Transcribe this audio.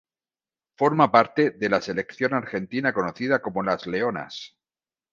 Forma parte de la Selección argentina conocida como Las Leonas.